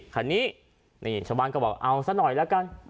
คันนี้นี่ชาวบ้านก็บอกเอาซะหน่อยละกัน